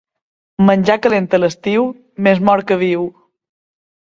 Menjar calent a l'estiu, més mort que viu.